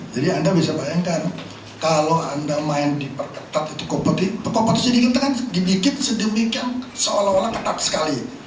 jadi anda bisa bayangkan kalau anda main di perketat itu kompetisi di kita kan dibikin sedemikian seolah olah ketat sekali